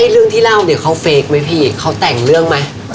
เรื่องที่เล่าเนี่ยเขาเฟคไหมพี่เขาแต่งเรื่องไหม